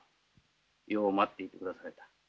よう待っていてくだされた。